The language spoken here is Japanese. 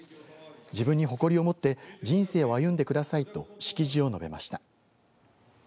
自分に誇りを持って人生を歩んでくださいと式辞を述べました。